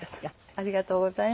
ありがとうございます。